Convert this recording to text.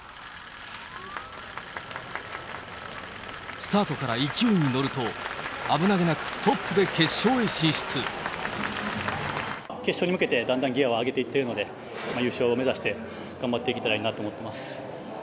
スタートから勢いに乗ると、決勝に向けて、だんだんギアを上げていってるので、優勝を目指して頑張っていけたらなと思っています。